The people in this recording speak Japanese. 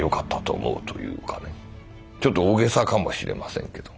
ちょっと大げさかもしれませんけど。